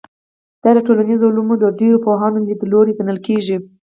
دا د ټولنیزو علومو د ډېرو پوهانو لیدلوری ګڼل کېږي.